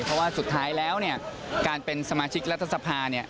เพราะว่าสุดท้ายแล้วการเป็นสมาชิกรัฐสภา